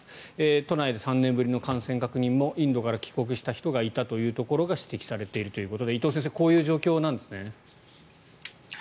都内で３年ぶりの感染確認もインドから帰国した人がいたということが指摘されているということで伊藤先生こういう状況なんですね。